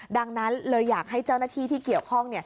ดังนั้นเลยอยากให้เจ้าหน้าที่ที่เกี่ยวข้อง